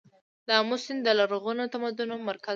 د امو سیند د لرغونو تمدنونو مرکز و